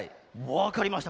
わかりました。